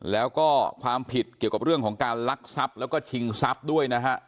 แล้วก็ความผิดเกี่ยวกับเรื่องของการลักทรัพย์แล้วก็ชิงทรัพย์ด้วยนะฮะ